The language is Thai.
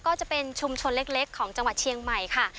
ก็จะเป็นชุมชนเล็กของจังหวัดเชียงใหม่ค่ะ